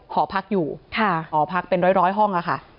หอพักอยู่หอพักเป็นร้อยห้องค่ะ